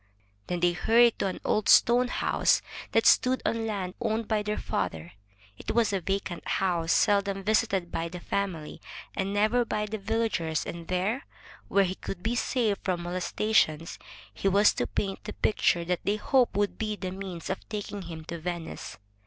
Then they hurried to an old stone house that stood on land owned by their father. It was a vacant house, seldom visited by the family, and never by the villagers, and there, where he would be safe from moles tation, he was to paint the picture that they hoped would be the means of taking him to Venice.